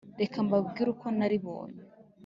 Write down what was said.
reka mbabwire uko naribonye